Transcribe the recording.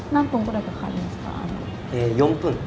นั่งตรงกับใครยกตัว